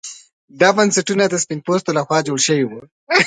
دا بنسټونه د سپین پوستو لخوا جوړ شوي وو.